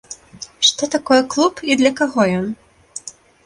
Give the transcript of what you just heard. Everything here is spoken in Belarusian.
Што такое клуб і для каго ён?